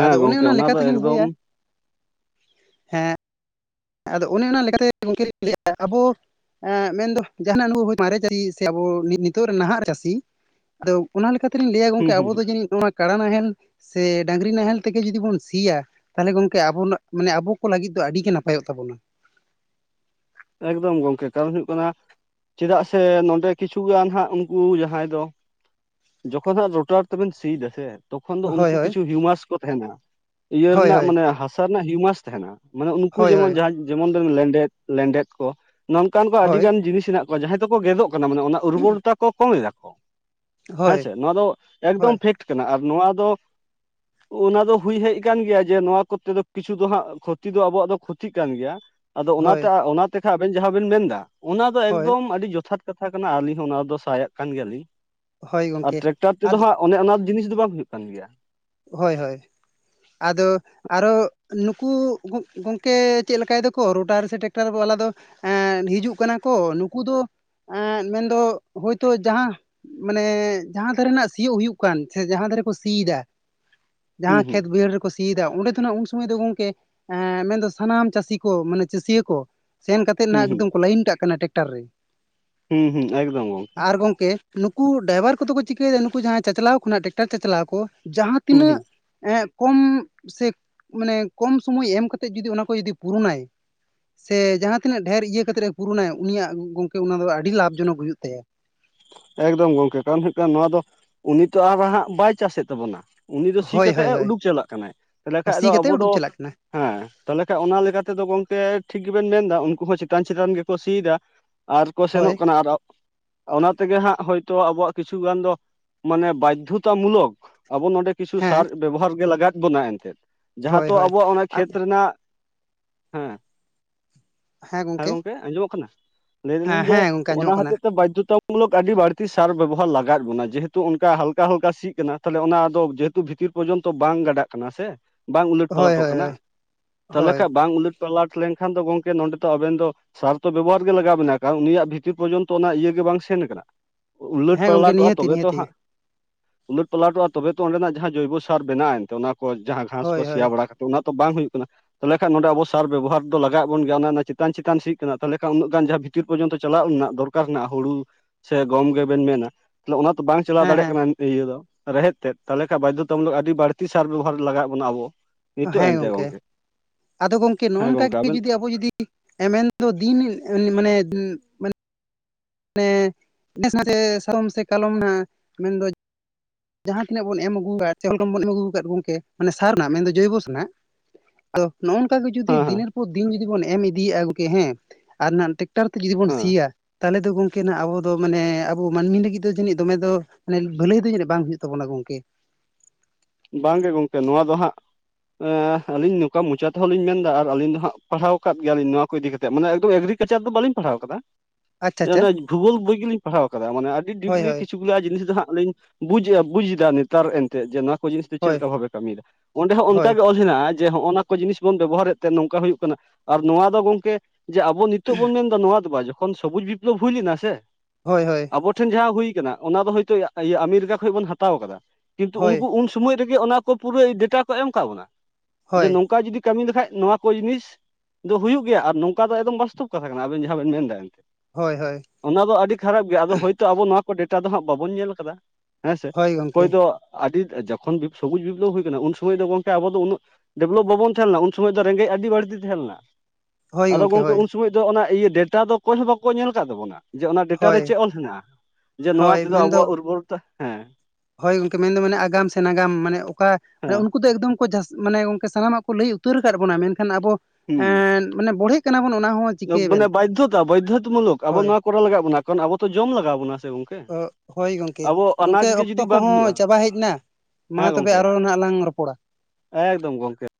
A: ᱦᱮᱸ
B: ᱟᱫᱚ ᱚᱱᱮ
A: ᱜᱚᱝᱠᱮ ᱚᱱᱟ
B: ᱞᱮᱠᱟ
A: ᱫᱚ ᱮᱠᱫᱚᱢ
B: ᱦᱮᱸ ᱟᱫᱚ ᱚᱱᱮ ᱚᱱᱟ ᱞᱮᱠᱟᱛᱮ ᱜᱚᱝᱠᱮᱧ ᱞᱟᱹᱭᱮᱜ ᱼᱟ ᱟᱵᱚ ᱮᱸᱜ ᱢᱮᱱᱫᱚ ᱡᱟᱦᱱᱟᱜ ᱱᱩᱠᱩ ᱦᱚᱸ ᱢᱟᱨᱮ ᱪᱟᱹᱥᱤ ᱥᱮ ᱟᱵᱚ ᱱᱤᱛᱚᱜ ᱨᱮᱱ ᱱᱟᱦᱟᱜ ᱪᱟᱥᱤ ᱟᱫᱚ ᱚᱱᱟ ᱞᱮᱠᱟᱛᱮᱞᱤᱧ ᱞᱟᱹᱭᱟ
A: ᱦᱩᱸ
B: ᱜᱚᱝᱠᱮ ᱟᱵᱚ
A: ᱦᱩᱸ
B: ᱫᱚ ᱡᱟᱹᱱᱤᱡ ᱱᱚᱣᱟ ᱠᱟᱬᱟ ᱱᱟᱦᱮᱞ, ᱥᱮ ᱰᱟᱝᱨᱤ ᱱᱟᱦᱮᱞ ᱛᱮᱜᱮ ᱡᱩᱫᱤ ᱵᱚᱱ ᱥᱤᱭᱟ ᱛᱟᱦᱚᱞᱮ ᱜᱚᱝᱠᱮ ᱟᱵᱚ ᱢᱟᱱᱮ ᱟᱵᱚ ᱠᱚ ᱞᱟᱹᱜᱤᱫ ᱫᱚ ᱟᱹᱰᱤᱜᱮ ᱱᱟᱯ, ᱦᱚᱭᱚᱜ ᱛᱟᱵᱚᱱᱟ᱾
A: ᱮᱠᱫᱚᱢ ᱜᱚᱝᱠᱮ ᱠᱟᱨᱚᱱ ᱦᱩᱭᱩᱜ ᱠᱟᱱᱟ, ᱪᱮᱫᱟᱜ ᱥᱮ, ᱱᱚᱰᱮ ᱠᱤᱪᱷᱩᱜᱟᱱ ᱦᱟᱸᱜ ᱩᱱᱠᱩ ᱡᱟᱦᱟᱸᱭ ᱫᱚ, ᱡᱚᱠᱷᱚᱱ ᱦᱟᱸᱜ ᱨᱚᱣᱴᱟᱨ ᱛᱮᱵᱮᱱ ᱥᱤᱭ ᱮᱫᱟ ᱥᱮ, ᱛᱚᱠᱷᱚᱱ ᱫᱚ
B: ᱦᱳᱭ
A: ᱩᱱᱠᱩ
B: ᱦᱳᱭ
A: ᱠᱤᱪᱷᱩ ᱦᱤᱭᱩᱢᱟᱥ ᱠᱚ ᱛᱟᱦᱮᱱᱟ ᱤᱭᱟᱹ
B: ᱦᱳᱭ
A: ᱨᱮᱱᱟᱜ
B: ᱦᱳᱭ
A: ᱢᱟᱱᱮ ᱦᱟᱥᱟ ᱨᱮᱱᱟᱜ ᱦᱤᱭᱩᱢᱟᱥ ᱛᱟᱦᱮᱱᱟ᱾ ᱢᱟᱱᱮ ᱩᱱᱠᱩ
B: ᱦᱳᱭ
A: ᱡᱮᱢᱚᱱ
B: ᱦᱳᱭ
A: ᱡᱟᱦᱟᱸ ᱡᱮᱢᱚᱱ ᱞᱮᱸᱰᱮᱫ ᱞᱮᱸᱰᱮᱫ ᱠᱚ ᱱᱚᱝᱠᱟᱱ ᱠᱚ ᱟᱹᱰᱤ
B: ᱦᱳᱭ
A: ᱜᱟᱱ ᱡᱤᱱᱤᱥ ᱢᱮᱱᱟᱜ ᱠᱚᱣᱟ, ᱡᱟᱦᱟᱸᱭ ᱫᱚᱠᱚ ᱜᱮᱫᱚᱜ ᱠᱟᱱᱟ ᱢᱟᱱᱮ ᱚᱱᱟ ᱩᱨᱵᱚᱨᱚᱛᱟ ᱠᱚ ᱠᱚᱢ ᱮᱫᱟ ᱠᱚ ᱦᱮᱸ
B: ᱦᱳᱭ
A: ᱥᱮ ᱱᱚᱣᱟ ᱫᱚ ᱮᱠᱫᱚᱢ
B: ᱦᱳᱭ
A: ᱯᱷᱮᱠᱴ ᱠᱟᱱᱟ ᱟᱨ ᱱᱚᱣᱟ ᱫᱚ ᱚᱱᱟ ᱫᱚ ᱦᱩᱭ ᱦᱮᱡ ᱟᱠᱟᱱ ᱜᱮᱭᱟ ᱡᱮ ᱱᱚᱣᱟ ᱠᱚᱛᱮ ᱫᱚ ᱠᱤᱪᱷᱩ ᱫᱚ ᱦᱟᱸᱜ ᱠᱷᱚᱛᱤ ᱫᱚ ᱟᱵᱚᱣᱟᱜ ᱫᱚ ᱠᱷᱚᱛᱤᱜ ᱠᱟᱱ ᱜᱮᱭᱟ᱾ ᱟᱫᱚ ᱚᱱᱟ
B: ᱦᱳᱭ
A: ᱛᱮ ᱚᱱᱟ ᱛᱮ ᱠᱷᱟᱱ ᱟᱵᱮᱱ ᱡᱟᱦᱟᱸ ᱵᱮᱱ ᱢᱮᱱ ᱮᱫᱟ ᱚᱱᱟ ᱫᱚ
B: ᱦᱳᱭ
A: ᱮᱠᱫᱚᱢ ᱟᱹᱰᱤ ᱡᱚᱛᱷᱟᱛ᱾ ᱠᱟᱛᱷᱟ ᱠᱟᱱᱟ ᱟᱹᱞᱤᱧ ᱦᱚᱸ ᱚᱱᱟ ᱫᱚ ᱥᱟᱭᱟᱜ ᱠᱟᱱ ᱜᱮᱭᱟᱞᱤᱧ,
B: ᱦᱳᱭ
A: ᱟᱨ
B: ᱜᱚᱝᱠᱮ
A: ᱴᱨᱟᱠᱴᱚᱨ ᱛᱮᱫᱚ
B: ᱟᱫᱚ
A: ᱦᱟᱸᱜ ᱚᱱᱮ ᱚᱱᱟ ᱡᱤᱱᱤᱥ ᱫᱚ ᱵᱟᱝ ᱦᱩᱭᱩᱜ ᱠᱟᱱ ᱜᱮᱭᱟ᱾
B: ᱦᱳᱭ ᱦᱳᱭ ᱟᱫᱚ ᱟᱨᱦᱚᱸ ᱱᱩᱠᱩ ᱜᱚᱝᱼᱼ ᱜᱚᱝᱠᱮ ᱪᱮᱫ ᱞᱮᱠᱟᱭ ᱮᱫᱟᱠᱚ ᱨᱳᱣᱴᱟᱨ ᱥᱮ ᱴᱨᱟᱠᱴᱟᱨ ᱵᱟᱞᱟ ᱫᱚ ᱮᱸ ᱦᱤᱡᱩᱜ ᱠᱟᱱᱟ ᱠᱚ ᱱᱩᱠᱩ ᱫᱚ ᱮ ᱢᱮᱱ ᱫᱚ ᱦᱚᱭᱛᱚ ᱡᱟᱦᱟᱸ ᱢᱟᱱᱮ ᱡᱟᱦᱟᱸ ᱫᱷᱟᱨᱮᱱᱟᱜ ᱥᱤᱭᱩᱜ ᱦᱩᱭᱩᱜ ᱠᱟᱱ ᱥᱮ ᱡᱟᱦᱟᱸ ᱫᱷᱟᱨᱮ ᱠᱚ ᱥᱤᱭ ᱮᱫᱟ᱾
A: ᱦᱩᱸ
B: ᱡᱟᱦᱟᱸ
A: ᱦᱩᱸ
B: ᱠᱷᱮᱛ ᱵᱟᱹᱭᱦᱟᱹᱲ ᱨᱮ ᱠᱚ ᱥᱤᱭ ᱮᱫᱟ, ᱚᱸᱰᱮ ᱫᱚ ᱱᱷᱟᱜ ᱩᱱ ᱥᱚᱢᱚᱭ ᱫᱚ ᱜᱚᱢᱠᱮ ᱢᱮᱱ ᱫᱚ ᱥᱟᱱᱟᱢ ᱪᱟᱹᱥᱤ ᱠᱚ ᱢᱟᱱᱮ ᱪᱟᱹᱥᱤᱭᱟᱹ ᱠᱚ ᱥᱮᱱ ᱠᱟᱛᱮᱫ
A: ᱦᱩᱸ
B: ᱱᱷᱟᱜ
A: ᱦᱩᱸ
B: ᱮᱠᱫᱚᱢ ᱠᱚ ᱞᱟᱭᱤᱱ ᱠᱟᱜ ᱠᱟᱱᱟ ᱴᱨᱟᱠᱴᱚᱨ ᱨᱮ᱾
A: ᱦᱩᱸ, ᱦᱩᱸ, ᱮᱠᱫᱚᱢ ᱜᱚᱝᱠᱮ
B: ᱟᱨ ᱜᱚᱝᱠᱮ ᱱᱩᱠᱩ ᱰᱨᱟᱭᱵᱷᱟᱨ ᱠᱚᱫᱚ ᱠᱚ ᱪᱤᱠᱟᱹᱭ ᱮᱫᱟ, ᱱᱩᱠᱩ ᱡᱟᱦᱟᱸᱭ ᱪᱟᱪᱞᱟᱣ ᱠᱷᱚᱱᱟᱜ ᱴᱨᱟᱠᱴᱚᱨ ᱪᱟᱪᱞᱟᱣ ᱠᱚ ᱡᱟᱦᱟᱸ
A: ᱦᱩᱸ ᱦᱩᱸ
B: ᱛᱤᱱᱟᱹᱜ ᱦᱮᱸᱻ ᱠᱚᱢ ᱥᱮ ᱢᱟᱱᱮ ᱠᱚᱢ ᱥᱚᱢᱚᱭ ᱮᱢ ᱠᱟᱛᱮᱫ ᱡᱩᱫᱤ ᱚᱱᱟ ᱠᱚ ᱡᱩᱫᱤ ᱯᱩᱨᱩᱱᱟᱭ, ᱥᱮ ᱡᱟᱦᱟᱸ ᱛᱤᱱᱟᱹᱜ ᱰᱷᱮᱨ ᱤᱭᱟᱹ ᱠᱟᱛᱮᱫ ᱮ ᱯᱩᱨᱩᱱᱟᱭ ᱩᱱᱤᱭᱟᱜ ᱜᱚᱢᱠᱮ ᱚᱱᱟ ᱫᱚ ᱟᱹᱰᱤ ᱞᱟᱵᱷ ᱡᱚᱱᱚᱠ ᱦᱩᱭᱩᱜ ᱛᱟᱭᱟ᱾
A: ᱮᱠᱫᱚᱢ ᱜᱚᱝᱠᱮ ᱠᱟᱨᱚᱱ ᱦᱩᱭᱩᱜ ᱠᱟᱱᱟ, ᱱᱚᱣᱟ ᱫᱚ ᱩᱱᱤ (unintelligible) ᱟᱨ ᱦᱟᱸᱜ ᱵᱟᱭ ᱪᱟᱥ ᱮᱫ ᱛᱟᱵᱚᱱᱟ᱾ ᱩᱱᱤ ᱫᱚ ᱥᱤ
B: ᱦᱳᱭ
A: ᱠᱟᱛᱮᱫ
B: ᱦᱳᱭ
A: ᱮ
B: ᱦᱳᱭ
A: ᱩᱰᱩᱠ ᱪᱟᱞᱟᱜ ᱠᱟᱱᱟᱭ, ᱛᱟᱦᱚᱞᱮ ᱠᱷᱟᱡ
B: ᱥᱤ
A: ᱫᱚ
B: ᱠᱟᱛᱮᱫ
A: ᱟᱵᱚ ᱫᱚ᱾
B: ᱩᱰᱩᱠ ᱪᱟᱞᱟᱜ ᱠᱟᱱᱟ
A: ᱦᱮᱸ, ᱛᱟᱦᱚᱞᱮ ᱠᱷᱟᱱ ᱚᱱᱟ ᱞᱮᱠᱟ ᱛᱮᱫᱚ ᱜᱚᱝᱠᱮ ᱴᱷᱤᱠ ᱜᱮᱵᱮᱱ ᱢᱮᱱ ᱮᱫᱟ ᱩᱱᱠᱩ ᱦᱚᱸ ᱪᱮᱛᱟᱱ ᱪᱮᱛᱟᱱ ᱜᱮᱠᱚ ᱥᱤᱭ ᱮᱫᱟ, ᱟᱨ ᱠᱚ
B: ᱦᱳᱭ
A: ᱥᱮᱱᱚᱜ ᱠᱟᱱᱟ ᱟᱨᱦᱚᱸ ᱚᱱᱟ ᱛᱮᱜᱮ ᱦᱟᱸᱜ ᱦᱚᱭᱛᱚ ᱟᱵᱚᱣᱟᱜ ᱠᱤᱪᱷᱩ ᱜᱟᱱ ᱫᱚ ᱢᱟᱱᱮ ᱵᱟᱫᱽᱫᱷᱚᱛᱟᱢᱩᱞᱚᱠ ᱟᱵᱚ ᱱᱚᱸᱰᱮ ᱠᱤᱪᱷᱩ ᱥᱟᱨ
B: ᱦᱮᱸ
A: ᱵᱮᱵᱚᱦᱟᱨ ᱜᱮ ᱞᱟᱜᱟᱣ ᱮᱫ ᱵᱚᱱᱟ ᱮᱱᱛᱮᱫ ᱡᱟᱦᱟᱸ
B: ᱦᱳᱭ
A: ᱛᱚ
B: ᱦᱳᱭ
A: ᱟᱵᱚᱣᱟᱜ ᱚᱱᱟ
B: ᱟᱨ
A: ᱠᱷᱮᱛ ᱨᱮᱱᱟᱜ ᱦᱮᱸᱻ ᱦᱮᱸ ᱜᱚᱝᱠᱮ ᱟᱸᱡᱚᱢᱚᱜ ᱠᱟᱱᱟ᱾ ᱞᱟᱹᱭ ᱫᱟᱹᱞᱤᱧ ᱡᱮ
B: ᱦᱮᱸ ᱜᱚᱝᱠᱮ
A: ᱚᱱᱟ
B: ᱟᱸᱡᱚᱢᱚᱜ ᱠᱟᱱᱟ
A: ᱦᱚᱛᱮᱡ ᱛᱮ ᱵᱟᱫᱽᱫᱷᱚᱛᱚ ᱢᱩᱞᱚᱠ ᱟᱹᱰᱤ ᱵᱟᱹᱲᱛᱤ ᱥᱟᱨ ᱵᱮᱵᱚᱦᱟᱨ ᱞᱟᱜᱟᱭᱮᱫ ᱵᱚᱱᱟ, ᱡᱮᱦᱮᱛᱩ ᱚᱱᱠᱟ ᱦᱟᱞᱠᱟ ᱦᱟᱞᱠᱟ ᱥᱤᱜ ᱠᱟᱱᱟ ᱛᱟᱦᱚᱞᱮ ᱚᱱᱟ ᱟᱫᱚ ᱡᱮᱦᱮᱛᱩ ᱵᱷᱤᱛᱤᱨ ᱯᱚᱨᱡᱚᱱᱛᱚ ᱵᱟᱝ ᱜᱟᱰᱟᱜ ᱠᱟᱱᱟ ᱥᱮ, ᱵᱟᱝ ᱩᱞᱟᱹᱴ
B: ᱦᱳᱭ
A: ᱯᱟᱞᱟᱴᱚᱜ
B: ᱦᱳᱭ ᱦᱳᱭ
A: ᱠᱟᱱᱟ ᱛᱟᱦᱚᱞᱮ
B: ᱦᱳᱭ
A: ᱠᱷᱟᱱ ᱵᱟᱝ ᱩᱞᱟᱹᱴ ᱯᱟᱞᱚᱴ ᱞᱮᱱᱠᱷᱟᱱ ᱫᱚ ᱜᱚᱝᱠᱮ ᱱᱚᱸᱰᱮ ᱫᱚ ᱟᱵᱮᱱ ᱫᱚ, ᱥᱟᱨ ᱛᱚ ᱵᱮᱵᱚᱦᱟᱨ ᱜᱮ ᱞᱟᱜᱟᱣ ᱢᱮᱱᱟ ᱟᱠᱟᱜᱼᱟ ᱩᱱᱤᱭᱟᱜ ᱵᱷᱤᱛᱤᱨ ᱯᱚᱨᱡᱚᱱᱛᱚ ᱚᱱᱟ ᱤᱭᱟᱹ ᱜᱮ ᱵᱟᱝ ᱥᱮᱱ ᱟᱠᱟᱱᱟ᱾ ᱩᱞᱟᱹᱴ
B: ᱦᱮᱸ ᱜᱚᱝᱠᱮ
A: ᱯᱟᱞᱟᱴᱚᱜᱼᱟ
B: ᱱᱤᱦᱟᱹᱛᱤ
A: ᱛᱚᱵᱮ ᱛᱚ
B: ᱱᱤᱦᱟᱹᱛᱤ
A: ᱦᱟᱸᱜᱼᱼ ᱩᱞᱟᱹᱴ ᱯᱟᱞᱟᱴᱚᱜᱼᱟ, ᱛᱚᱵᱮ ᱛᱚ ᱚᱸᱰᱮᱱᱟᱜ ᱡᱟᱦᱟᱸ ᱡᱚᱭᱵᱚᱥᱟᱨ ᱵᱮᱱᱟᱜ-ᱟ, ᱮᱱᱛᱮ ᱚᱱᱟ ᱠᱚ ᱡᱟᱦᱟᱸ ᱜᱷᱟᱸᱥ
B: ᱦᱳᱭ
A: ᱠᱚ
B: ᱦᱳᱭ
A: ᱥᱮᱭᱟ ᱵᱟᱲᱟ ᱠᱟᱛᱮᱫ ᱾ ᱚᱱᱟ ᱛᱚ ᱵᱟᱝ ᱦᱩᱭᱩᱜ ᱠᱟᱱᱟ᱾ ᱛᱟᱦᱚᱞᱮ ᱠᱷᱟᱱ ᱱᱚᱸᱰᱮ ᱟᱵᱚ ᱥᱟᱨ ᱵᱮᱵᱽᱦᱟᱨ ᱫᱚ ᱞᱟᱜᱟᱣ ᱟᱵᱚᱱ ᱜᱮᱭᱟ, ᱚᱱᱮ ᱚᱱᱟ ᱪᱮᱛᱟᱱ-ᱪᱮᱛᱟᱱ ᱥᱤᱼᱜ ᱠᱟᱱᱟ ᱛᱟᱦᱚᱞᱮ ᱠᱷᱟᱱ ᱩᱱᱟᱹᱜ ᱜᱟᱱ ᱡᱟᱦᱟᱸ ᱵᱷᱼᱼ ᱛᱤᱨᱯᱚᱨᱡᱚᱱᱛᱮ ᱪᱟᱞᱟᱜ ᱨᱮᱱᱟᱜ ᱫᱚᱨᱠᱟᱨ ᱦᱮᱱᱟᱜᱼᱟ ᱦᱩᱲᱩ, ᱥᱮ ᱜᱚᱢ, ᱜᱮᱵᱮᱱ ᱢᱮᱱᱟ, ᱛᱟᱦᱞᱮ ᱚᱱᱟ ᱛᱚ ᱵᱟᱝ ᱪᱟᱞᱟᱣ
B: ᱦᱮᱸ
A: ᱫᱟᱲᱮᱭᱟᱜ
B: ᱦᱮᱸ
A: ᱠᱟᱱᱟ᱾ ᱤᱭᱟᱹ ᱫᱚ ᱨᱮᱦᱮᱫ ᱛᱮᱫ ᱛᱟᱦᱚᱞᱮ ᱠᱷᱟᱱ ᱵᱟᱫᱽᱫᱷᱚᱛᱟᱢᱩᱞᱚᱠ ᱟᱹᱰᱤ ᱵᱟᱹᱲᱛᱤ ᱥᱟᱨ ᱵᱮᱵᱚᱦᱟᱨ ᱞᱟᱜᱟᱣᱮᱫ ᱵᱚᱱᱟ ᱟᱵᱚ᱾ ᱱᱤᱛᱚᱜ ᱮᱱᱛᱮ ᱜᱚᱝᱠᱮ᱾
B: ᱟᱫᱚ ᱜᱚᱝᱠᱮ ᱱᱚᱜᱼᱚ
A: ᱦᱮᱸ
B: ᱱᱚᱝᱠᱟᱜ
A: ᱜᱚᱝᱠᱮ
B: ᱜᱮ
A: ᱟᱵᱮᱱ
B: ᱡᱚᱫᱤ ᱟᱵᱚ ᱡᱚᱫᱤ ᱢᱮᱱ ᱫᱚ ᱫᱤᱱ ᱢᱟᱱᱮᱼᱼ ᱢᱟᱱᱮ ᱱᱮᱥ ᱥᱮ ᱥᱟᱞᱚᱢ ᱥᱮ ᱠᱟᱞᱚᱢ ᱱᱟᱼᱦ ᱢᱮᱱᱫᱚ, ᱡᱟᱦᱟᱸ ᱛᱤᱱᱟᱹᱜ ᱵᱚᱱ ᱮᱢ ᱟᱹᱜᱩ ᱟᱠᱟ‌ᱫ ᱜᱚᱢᱠᱮ ᱵᱚᱱ ᱮᱢ ᱟᱹᱜᱩ ᱟᱠᱟᱫ ᱜᱚᱝᱠᱮ ᱢᱟᱱᱮ ᱥᱟᱨᱱᱟ ᱢᱮᱱ ᱫᱚ ᱡᱚᱭᱵᱚ ᱥᱟᱨᱱᱟ ᱟᱫᱚ ᱱᱚᱜ ᱱᱚᱝᱠᱟ ᱜᱮ ᱡᱚᱫᱤ
A: ᱦᱮᱸ ᱦᱮᱸ
B: ᱫᱤᱱᱮᱨ ᱯᱚᱨ ᱫᱤᱱ ᱡᱚᱫᱤ ᱵᱚᱱ ᱮᱢ ᱤᱫᱤᱭᱟᱫᱼᱟ ᱜᱚᱝᱠᱮ ᱦᱮᱸ, ᱟᱨ ᱱᱟᱜ ᱢᱤᱫᱴᱮᱼᱼ ᱴᱨᱟᱠᱴᱚᱨ ᱛᱮ ᱡᱚᱫᱤ ᱵᱚᱱ
A: ᱦᱮᱸ
B: ᱥᱤᱭᱟ, ᱛᱟᱦᱚᱞᱮ ᱫᱚᱼᱼ ᱱᱟᱜ ᱟᱵᱚ ᱫᱚ ᱢᱟᱱᱮ ᱟᱵᱚ ᱢᱟᱹᱱᱢᱤ ᱞᱟᱹᱜᱤᱫ ᱫᱚ ᱡᱟᱹᱱᱤᱡ ᱫᱚᱢᱮ ᱫᱚ ᱢᱟᱱᱮ ᱵᱷᱟᱹᱞᱟᱹᱭ ᱫᱚ ᱡᱟᱹᱱᱤᱡ ᱵᱟᱝ ᱦᱩᱭᱩᱜ ᱛᱟᱵᱚᱱᱟ ᱜᱚᱝᱠᱮ᱾
A: ᱵᱟᱝ-ᱜᱮ, ᱜᱚᱝᱠᱮ ᱱᱚᱣᱟ ᱫᱚ ᱦᱟᱸᱜᱼᱼ ᱟᱹᱞᱤᱧ ᱱᱚᱝᱠᱟ ᱢᱚᱪᱟ ᱛᱮᱦᱚᱸ ᱞᱤᱧ ᱢᱮᱱ ᱮᱫᱟ ᱟᱨ ᱟᱹᱞᱤᱧ ᱫᱚ ᱦᱟᱸᱜ ᱯᱟᱲᱦᱟᱣ ᱟᱠᱟᱫ ᱜᱮᱭᱟᱞᱤᱧ ᱱᱚᱣᱟ᱾ ᱠᱚ ᱤᱫᱤ ᱠᱟᱛᱮᱜ ᱢᱟᱱᱮ ᱮᱠᱫᱚᱢ ᱮᱜᱨᱤᱠᱟᱞᱪᱟᱨ ᱫᱚ ᱵᱟᱹᱞᱤᱧ ᱯᱟᱲᱦᱟᱣ ᱠᱟᱫᱟ᱾
B: ᱟᱪᱪᱷᱟ ᱟᱪᱪᱷᱟ
A: ᱚᱱᱮ ᱵᱷᱩᱜᱳᱞ ᱵᱳᱭ ᱜᱮᱞᱤᱧ ᱯᱟᱲᱦᱟᱣ ᱟᱠᱟᱫᱟ ᱢᱟᱱᱮ ᱟᱹᱰᱤ
B: ᱦᱳᱭ
A: ᱰᱤᱯᱞᱤ
B: ᱦᱳᱭ
A: ᱠᱤᱪᱷᱩᱼᱼ ᱜᱩᱞᱟ ᱡᱤᱱᱤᱥ ᱫᱚ ᱦᱟᱸᱜ ᱞᱤᱧ ᱵᱩᱡ ᱮᱜᱼ ᱟ ᱵᱩᱡ ᱮᱫᱟ ᱱᱮᱛᱟᱨ ᱮᱱᱛᱮ ᱡᱮ ᱱᱚᱣᱟᱼᱼ ᱠᱚ ᱡᱤᱱᱤᱥ ᱫᱚ ᱪᱮᱫ
B: ᱦᱳᱭ
A: ᱞᱮᱠᱟ ᱵᱷᱟᱵᱮ ᱠᱟᱹᱢᱤᱭᱮᱫᱟ ᱚᱸᱰᱮ ᱦᱚᱸ ᱚᱱᱠᱟ
B: ᱦᱳᱭ
A: ᱜᱮ ᱚᱞᱼᱼ ᱦᱮᱱᱟᱜᱼᱟ ᱡᱮ ᱱᱚᱜᱼᱚ ᱱᱚᱣᱟ ᱠᱚ ᱡᱤᱱᱤᱥ ᱵᱚᱱ ᱵᱮᱵᱚᱦᱟᱨᱮᱜ ᱛᱮ ᱱᱚᱝᱠᱟ ᱦᱩᱭᱩᱜ ᱠᱟᱱᱟ ᱟᱨ ᱱᱚᱣᱟ ᱫᱚ ᱜᱚᱝᱠᱮᱼᱼ ᱡᱮ ᱟᱵᱚ ᱱᱤᱛᱚᱜ ᱵᱚᱱ ᱢᱮᱱᱮᱫᱟ ᱱᱚᱣᱟ ᱫᱚ ᱵᱟᱝ ᱡᱚᱠᱷᱚᱱ ᱥᱚᱵᱩᱡ ᱵᱤᱯᱞᱚᱵ ᱦᱩᱭ ᱞᱮᱱᱟ ᱥᱮᱼᱼ
B: ᱦᱳᱭ-ᱦᱚᱭ᱾
A: ᱟᱵᱚ ᱴᱷᱮᱱ ᱡᱟᱦᱟᱸ ᱦᱩᱭ ᱟᱠᱟᱱᱟ ᱚᱱᱟ ᱫᱚ ᱦᱚᱭᱛᱚ ᱟᱢᱮᱨᱤᱠᱟ ᱠᱷᱚᱡ ᱵᱚᱱ ᱦᱟᱛᱟᱣ ᱟᱠᱟᱫᱟ ᱠᱤᱱᱛᱩ
B: ᱦᱳᱭ
A: ᱩᱱᱠᱩ ᱩᱱᱼᱼ ᱥᱚᱢᱚᱭ ᱨᱮᱜᱮ ᱚᱱᱟ ᱠᱚ ᱯᱩᱨᱟᱹᱭ ᱰᱮᱴᱟ ᱠᱚ ᱮᱢ ᱠᱟᱜ ᱵᱚᱱᱟ ᱡᱮ
B: ᱦᱳᱭ
A: ᱱᱚᱝᱠᱟ ᱡᱩᱫᱤ ᱠᱟᱹᱢᱤ ᱞᱮᱠᱷᱟᱡ ᱱᱚᱣᱟ ᱠᱚ ᱡᱤᱱᱤᱥᱼᱼ ᱫᱚ ᱦᱩᱭᱩᱜ ᱜᱮᱭᱟ ᱟᱨ ᱱᱚᱝᱠᱟ ᱫᱚ ᱮᱠᱫᱚᱢ ᱵᱟᱥᱛᱚᱵ ᱠᱟᱛᱷᱟ ᱠᱟᱱᱟ ᱟᱵᱮᱱ ᱡᱟᱦᱟᱸ ᱵᱮᱱ ᱢᱮᱱ ᱫᱟ ᱮᱱᱛᱮᱫ
B: ᱦᱚᱭ-ᱦᱚᱭ᱾
A: ᱚᱱᱟ ᱫᱚ ᱟᱹᱰᱤ ᱠᱷᱟᱨᱟᱯ ᱜᱮᱭᱟ ᱟᱫᱚ ᱦᱳᱭᱛᱚ ᱟᱵᱚ ᱱᱚᱣᱟ ᱠᱚ ᱰᱮᱴᱟ ᱫᱚ ᱦᱟᱸᱜ ᱵᱟᱵᱚᱱ ᱧᱮᱞ ᱟᱠᱟᱫᱟ ᱦᱮᱸ ᱥᱮ
B: ᱦᱳᱭ
A: ᱚᱠᱚᱭ
B: ᱜᱚᱝᱠᱮ
A: ᱫᱚᱼᱼ ᱟᱹᱰᱤ ᱡᱚᱠᱷᱚᱱ ᱵᱤᱯ ᱥᱚᱵᱩᱡ ᱵᱤᱯᱞᱚᱵ ᱦᱩᱭ ᱠᱟᱱᱟ ᱩᱱ ᱥᱚᱢᱚᱭ ᱫᱚ ᱜᱚᱝᱠᱮ ᱟᱵᱚ ᱫᱚ ᱩᱱᱟᱹᱜᱼᱼ ᱰᱮᱵᱽᱞᱚᱵ ᱵᱟᱵᱚᱱ ᱛᱟᱦᱮᱸ ᱞᱮᱱᱟ ᱩᱱ ᱥᱚᱢᱚᱭ ᱫᱚ ᱨᱮᱸᱜᱮᱡ ᱟᱹᱰᱤ ᱵᱟᱹᱲᱛᱤ ᱛᱟᱦᱮᱸ ᱞᱮᱱᱟ ᱾
B: ᱦᱳᱭ
A: ᱟᱫᱚ
B: ᱜᱚᱝᱠᱮ
A: ᱜᱚᱢᱠᱮ
B: ᱦᱳᱭ
A: ᱩᱱ ᱥᱚᱢᱚᱭ ᱫᱚ ᱚᱱᱟ ᱤᱭᱟᱹ ᱰᱮᱴᱟ ᱫᱚ ᱚᱠᱚᱭ ᱦᱚᱸ ᱵᱟᱠᱚ ᱧᱮᱞ ᱟᱠᱟᱼᱜ ᱛᱟᱵᱚᱱᱟ ᱾ ᱡᱮ ᱚᱱᱟ ᱰᱮᱴᱟ ᱨᱮ
B: ᱦᱳᱭ
A: ᱪᱮᱫ ᱚᱞ ᱦᱮᱱᱟᱜᱼᱟ, ᱡᱮ ᱱᱚᱣᱟ ᱛᱮᱫᱚ ᱟᱵᱚᱣᱟᱜ ᱩᱨᱵᱚᱨᱚᱛᱟ ᱦᱮᱸᱼᱼ
B: ᱦᱚᱭ ᱜᱚᱝᱠᱮ ᱢᱮᱱᱫᱚ ᱢᱟᱱᱮ ᱟᱜᱟᱢ ᱥᱮ ᱱᱟᱜᱟᱢ ᱢᱟᱱᱮ ᱚᱠᱟ ᱢᱟᱱᱮ
A: ᱦᱮᱸ
B: ᱩᱱᱠᱩ ᱫᱚ ᱮᱠᱫᱚᱢᱼᱼ ᱢᱟᱱᱮ ᱜᱚᱝᱠᱮ ᱥᱟᱱᱟᱢᱟᱜ ᱠᱚ ᱞᱟᱹᱭ ᱩᱛᱟᱹᱨ ᱟᱠᱟᱫ ᱵᱚᱱᱟ ᱢᱮᱱᱠᱷᱟᱱ ᱟᱵᱚ,
A: ᱦᱩᱸ
B: ᱮᱸ ᱢᱟᱱᱮ ᱵᱚᱲᱦᱮᱜ ᱠᱟᱱᱟ ᱵᱚᱱ ᱚᱱᱟ ᱦᱚᱸ ᱪᱤᱠᱟᱹᱭ ᱵᱮᱱ
A: ᱢᱟᱱᱮ ᱵᱟᱡᱫᱷᱚᱛᱟ ᱵᱟᱡᱫᱷᱟᱹᱛ ᱢᱩᱞᱚᱠ ᱟᱵᱚ
B: ᱦᱳᱭ
A: ᱱᱚᱣᱟ ᱠᱚᱨᱟᱣ ᱞᱟᱜᱟᱣ ᱵᱚᱱᱟ ᱠᱟᱨᱚᱱ ᱟᱵᱚ ᱛᱚ ᱡᱚᱢ ᱞᱟᱜᱟᱣ ᱟᱵᱚᱱᱟ ᱥᱮ ᱜᱚᱝᱠᱮ ᱾
B: ᱦᱚᱭ ᱜᱚᱝᱠᱮ, ᱜᱚᱝᱠᱮ ᱚᱠᱛᱚ
A: ᱡᱩᱫᱤ ᱵᱟᱝ
B: ᱠᱚᱦᱚᱸ
A: ᱦᱩᱭᱩᱜᱼᱟ
B: ᱪᱟᱵᱟ ᱦᱮᱡ ᱱᱟ ᱾ ᱢᱟ
A: ᱦᱮᱸ
B: ᱛᱚᱵᱮ
A: ᱜᱚᱝᱠᱮ
B: ᱟᱨᱦᱚ ᱱᱟᱦᱟᱜ ᱞᱟᱝ ᱨᱚᱯᱚᱲᱟ ᱾
A: ᱮᱠᱫᱚᱢ ᱜᱚᱝᱠᱮ᱾